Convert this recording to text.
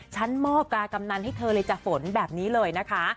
ฉันมอบกากำนันให้เธอเลยจ้ะฝนแบบนี้เลยนะคะ